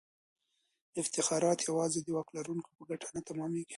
افتخارات یوازې د واک لرونکو په ګټه نه تمامیږي.